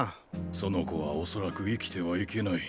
その子は恐らく生きてはいけない。